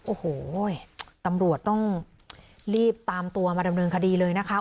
โอ้โหตำรวจต้องรีบตามตัวมาดำเนินคดีเลยนะคะ